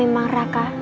jika memang raka